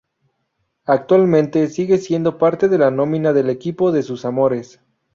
Actualmente, sigue haciendo parte de la nómina del equipo de sus amores.